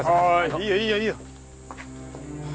いいよいいよいいよ。